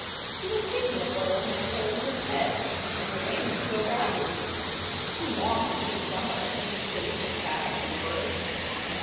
He was thinking of what Old Man Coyote had said, and it made him feel badly. He longed to see Summer, and to chase the calves and birds.